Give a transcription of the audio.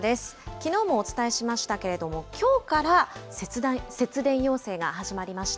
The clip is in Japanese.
きのうもお伝えしましたけれども、きょうから節電要請が始まりました。